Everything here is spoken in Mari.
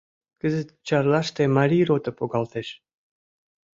Кызыт Чарлаште Марий рота погалтеш.